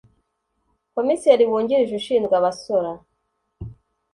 Komiseri wungirije ushinzwe Abasora